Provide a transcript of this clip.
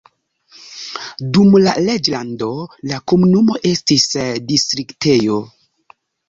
Dum la reĝlando la komunumo estis distriktejo.